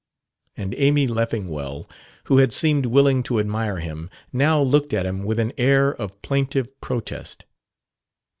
And Amy Leffingwell, who had seemed willing to admire him, now looked at him with an air of plaintive protest.